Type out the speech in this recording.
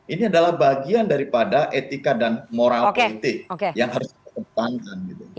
ini adalah bagian daripada etika dan moral politik yang harus kita kembangkan